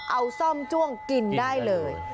เอาซ่อมจ้วงกินได้เลย